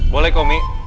boleh kok mi